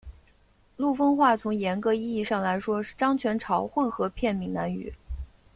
陆丰话从严格意义上来说是漳泉潮混合片闽南语。